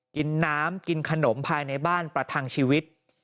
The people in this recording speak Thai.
กินน้ำกินขนมภายในบ้านประทังชีวิต